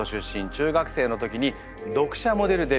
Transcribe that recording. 中学生の時に読者モデルデビュー。